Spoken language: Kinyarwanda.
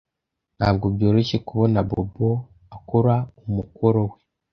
Ntabwo byoroshye kubona Bobo akora umukoro we